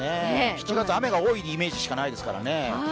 ７月、雨が多いイメージしかないですからね。